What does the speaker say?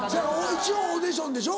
一応オーディションでしょ。